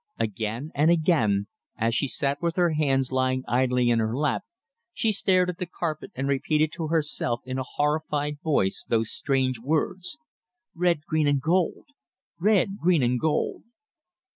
Again and again, as she sat with her hands lying idly in her lap, she stared at the carpet and repeated to herself in a horrified voice those strange words: "Red, green and gold! red, green and gold!"